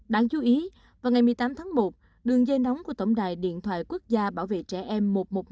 đáng chú ý vào ngày một mươi tám tháng một đường dây nóng của tổng đài điện thoại quốc gia bảo vệ trẻ em một trăm một mươi năm